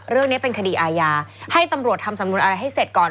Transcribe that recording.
เรื่องนี้เป็นคดีอาญาให้ตำรวจทำสำนวนอะไรให้เสร็จก่อน